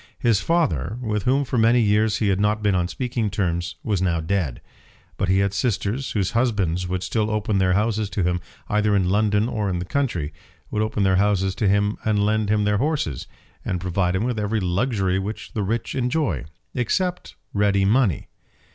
His father, with whom for many years he had not been on speaking terms, was now dead; but he had sisters whose husbands would still open their houses to him, either in London or in the country; would open their houses to him, and lend him their horses, and provide him with every luxury which the rich enjoy, except ready money.